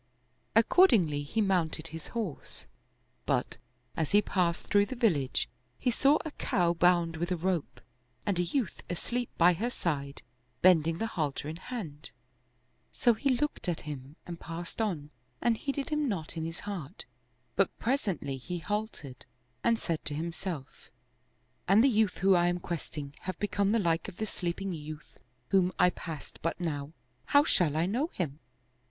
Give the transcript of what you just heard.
Accordingly he mounted his horse; but, as he passed through the village, he saw a cow bound with a rope and a youth asleep by her side, bending the halter in hand ; so he looked at him and passed on and heeded him not in his 75 OriefUal Mystery Stories hearty but presently he halted and said to himself, " An the youth whom I am questing have become the like of this sleeping youth whom I passed but now, how shall I know him